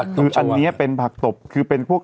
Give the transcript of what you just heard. คืออันนี้เป็นผักตบคือเป็นพวก